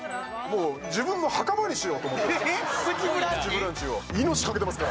もう自分の墓場にしようと思ってます